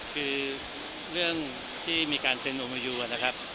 คือเรื่องที่มีการเซ็นออกมาอยู่นะครับ